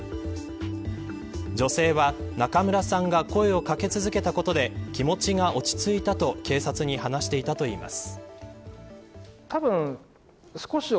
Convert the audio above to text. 女性は中村さんが声を掛け続けたことで気持ちが落ち着いたと警察に話していたといいます。